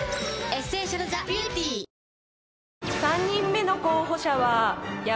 ［３人目の候補者は］